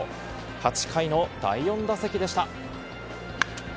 ８回の第４打席でした。